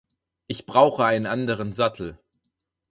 Ich brauche einen anderen Sattel.